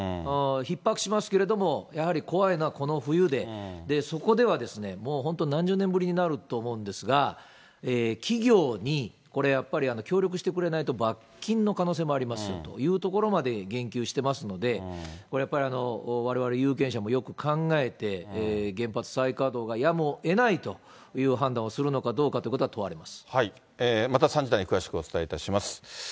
ひっ迫しますけれども、やはり怖いのはこの冬で、そこではもう本当、何十年ぶりになると思うんですが、企業にこれ、やっぱり協力してくれないと、罰金の可能性もありますよというところまで言及してますので、これやっぱり、われわれ、有権者もよく考えて、原発再稼働がやむをえないという判断をするのかどうかということまた３時台に詳しくお伝えいたします。